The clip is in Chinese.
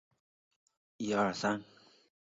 他也代表奥地利国家足球队参加国际赛事。